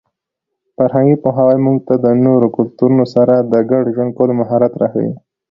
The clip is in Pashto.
فرهنګي پوهاوی موږ ته د نورو کلتورونو سره د ګډ ژوند کولو مهارت راښيي.